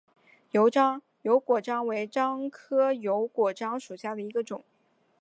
油果樟为樟科油果樟属下的一个种。